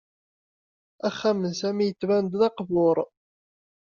Axxam n Sami yettban-d d aqbur.